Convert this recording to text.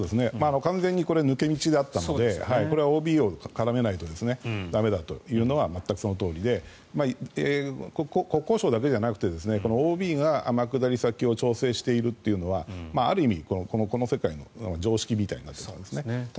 完全にこれ抜け道だったのでＯＢを絡めないと駄目だというのは全くそのとおりで国交省だけではなくてＯＢが天下り先を調整しているというのはある意味、この世界の常識みたいになっていました。